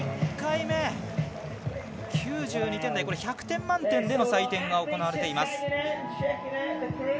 １回目、９２点で１００点満点での採点が行われています。